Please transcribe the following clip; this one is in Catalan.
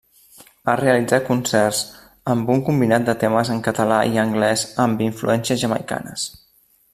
Ha realitzat concerts amb un combinat de temes en català i anglès amb influències jamaicanes.